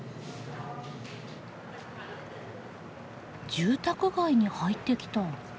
住宅街に入ってきた。